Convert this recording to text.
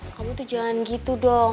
kamu tuh jalan gitu dong